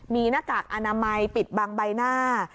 มีหน้ากากอนามัยปิดบังใบหน้า